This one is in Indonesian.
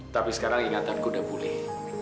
tapi sekarang ingatanku udah boleh